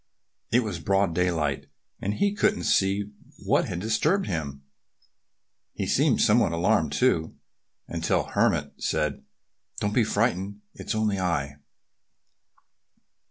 It was broad daylight. And he couldn't see what had disturbed him. He seemed somewhat alarmed too, until the Hermit said, "Don't be frightened! It's only I!"